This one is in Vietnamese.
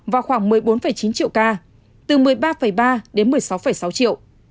và khoảng một mươi bốn chín triệu ca từ một mươi ba ba đến một mươi sáu sáu triệu